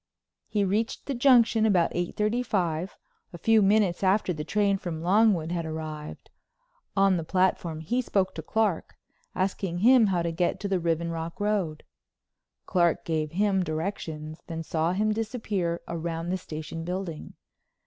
He reached the Junction about eight thirty five, a few minutes after the train from Longwood had arrived. On the platform he spoke to Clark, asking him how to get to the Riven Rock Road. Clark gave him the directions, then saw him disappear round the station building.